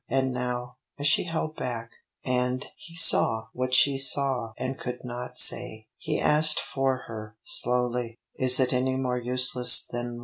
And now, as she held back, and he saw what she saw and could not say, he asked for her, slowly: "Is it any more useless than love?"